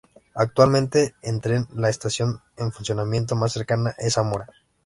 Actualmente en tren la estación en funcionamiento más cercana es Zamora.